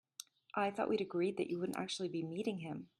I thought we'd agreed that you wouldn't actually be meeting him?